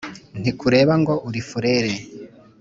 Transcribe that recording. ntikureba ngo uri furere